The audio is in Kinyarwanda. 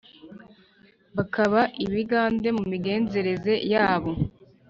bakaba ibigande mu migenzereze yabo